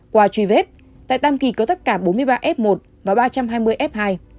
qua truy vết tại tam kỳ có tất cả bốn mươi ba f một và ba trăm hai mươi f hai